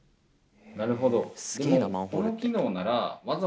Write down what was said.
なるほど。